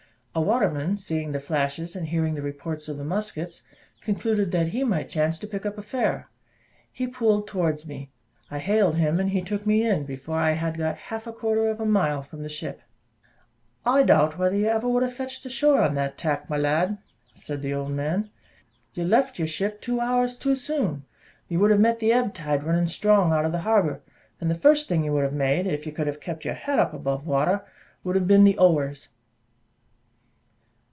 A waterman, seeing the flashes and hearing the reports of the muskets, concluded that he might chance to pick up a fare. He pulled towards me, I hailed him, and he took me in, before I had got half a quarter of a mile from the ship. "I doubt whether you would ever have fetched the shore on that tack, my lad," said the old man. "You left your ship two hours too soon: you would have met the ebb tide running strong out of the harbour; and the first thing you would have made, if you could have kept up your head above water, would have been the Ower's."